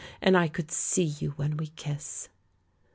and I could see you when we kiss!"